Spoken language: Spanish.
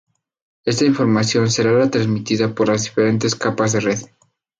Esta información será la transmitida por las diferentes capas de red.